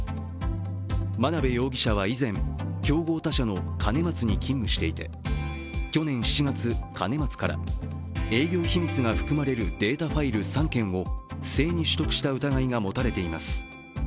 真鍋容疑者は以前、競合他社の兼松に勤務していて去年７月、兼松から営業秘密が含まれるデータファイル３件を不正に取得した疑いが持たれています。